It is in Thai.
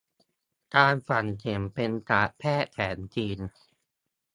การฝังเข็มเป็นศาสตร์แพทย์แผนจีน